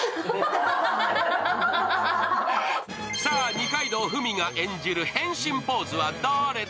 二階堂ふみが演じる「変身ポーズ」はどれだ？